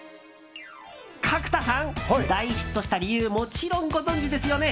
角田さん、大ヒットした理由もちろんご存じですよね？